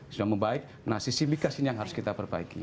sudah membaik nah sisi migas ini yang harus kita perbaiki